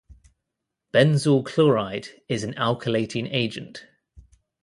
Benzyl chloride is an alkylating agent.